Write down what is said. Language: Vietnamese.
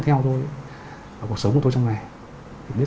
thì tôi chỉ nghĩ là